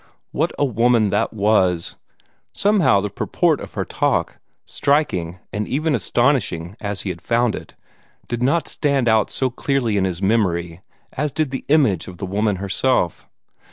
What a woman that was! Somehow the purport of her talk striking, and even astonishing as he had found it did not stand out so clearly in his memory as did the image of the woman herself.